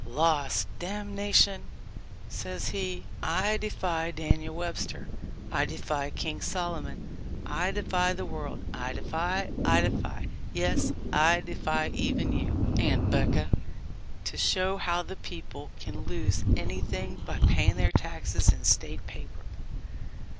"Loss ! damnation !" says he. "I defy Daniel Webster, I defy King Solomon, I defy the world — I defy — I defy — yes, I defy even you, Aunt 'Becca, to show how the people can lose anything by pay ing their taxes in State paper."